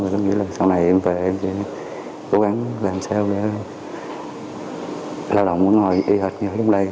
mình nghĩ là sau này em về em sẽ cố gắng làm sao để lao động vẫn hồi y hệt như ở trong đây